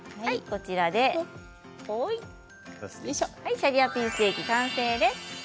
シャリアピンステーキ完成です。